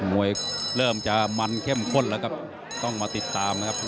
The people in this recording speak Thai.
มวยเริ่มจะมันเข้มข้นแล้วครับต้องมาติดตามนะครับ